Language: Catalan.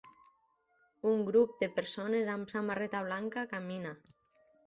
Un grup de persones amb samarreta blanca camina.